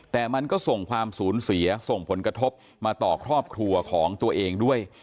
แต่มันก็ส่งความสูญเสียส่งผลกระทบมาต่อครอบครัวของตัวเองด้วย